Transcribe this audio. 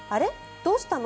どうしたの？